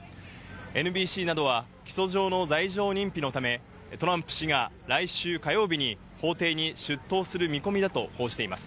ＮＢＣなどは起訴状の罪状認否のため、トランプ氏が来週火曜日に法廷に出頭する見込みだと報じています。